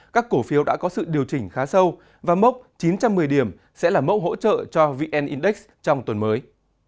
các cổ phiếu đã có sự điều chỉnh khá sâu và mốc chín trăm một mươi điểm sẽ là mẫu hỗ trợ cho vn index trong tuần mới